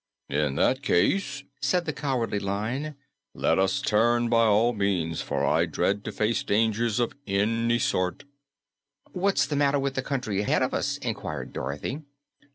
"In that case," said the Cowardly Lion, "let us turn, by all means, for I dread to face dangers of any sort." "What's the matter with the country ahead of us?" inquired Dorothy.